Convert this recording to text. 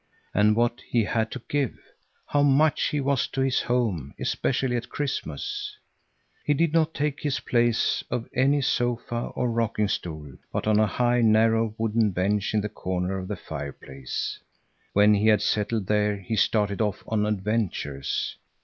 And what he had to give! How much he was to his home, especially at Christmas! He did not take his place on any sofa or rocking stool, but on a high, narrow wooden bench in the corner of the fireplace. When he was settled there he started off on adventures.